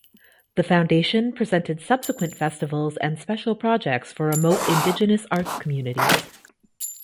The Foundation presented subsequent festivals and special projects for remote Indigenous arts communities.